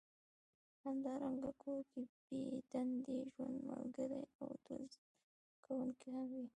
همدارنګه کور کې بې دندې ژوند ملګری او دوه زده کوونکي هم وي